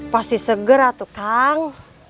pasti seger atuh kang